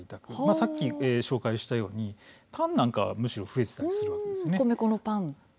さっきご紹介したようにパンなどはむしろ増えていたりします。